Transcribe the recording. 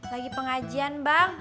lagi pengajian bang